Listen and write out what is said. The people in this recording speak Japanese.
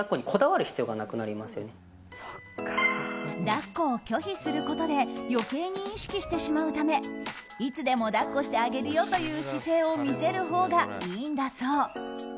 抱っこを拒否することで余計に意識してしまうためいつでも抱っこしてあげるよという姿勢を見せるほうがいいんだそう。